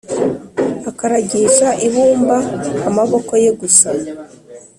Akaragisha ibumba amaboko ye gusa